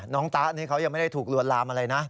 ตะนี่เขายังไม่ได้ถูกลวนลามอะไรนะ